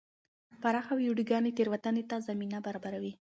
پراخه ویډیوګانې تېروتنې ته زمینه برابروي.